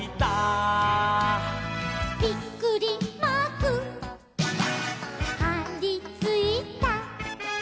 「びっくりマークはりついた」